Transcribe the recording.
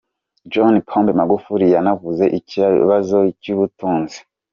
John Pombe Magufuli yanavuze ikibazo cy’ubutunzi.